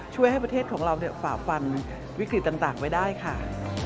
ช่วยให้ประเทศของเราฝ่าฟันวิกฤตต่างไว้ได้ค่ะ